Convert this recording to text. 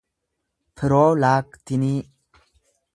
piroolaaktinii